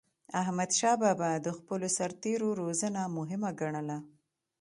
احمدشاه بابا د خپلو سرتېرو روزنه مهمه ګڼله.